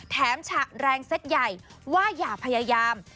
ฉะแรงเซ็ตใหญ่ว่าอย่าพยายาม